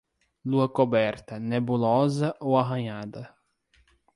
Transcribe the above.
Lua coberta, nebulosa ou arranhada.